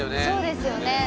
そうですよね。